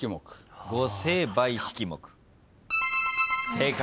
正解。